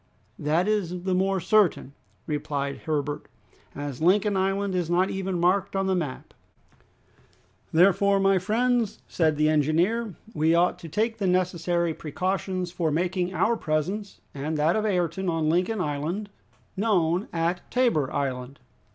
"That is the more certain," replied Herbert, "as Lincoln Island is not even marked on the map." "Therefore, my friends," said the engineer, "we ought to take the necessary precautions for making our presence and that of Ayrton on Lincoln Island known at Tabor Island."